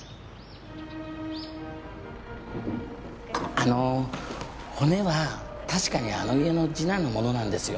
あの骨は確かにあの家の次男のものなんですよね？